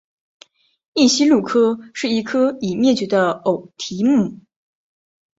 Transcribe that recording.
异鼷鹿科是一科已灭绝的偶蹄目。